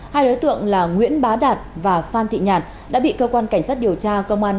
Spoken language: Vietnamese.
hai đối tượng là nguyễn bá đạt và phan thị nhạt đã bị cơ quan cảnh sát điều tra công an